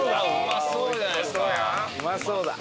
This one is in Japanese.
うまそうだ。